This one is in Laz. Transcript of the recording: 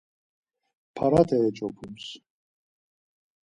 Parate eç̌opums